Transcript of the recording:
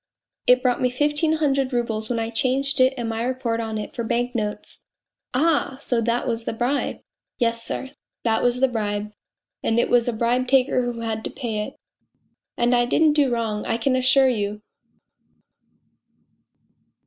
It brought me fifteen hundred roubles when I changed it and my report on it for bank notes !"" Ah, so that was the bribe !"" Yes, sir, that was the bribe and it was a bribe taker who had to pay it and I didn't do wrong, I can assure you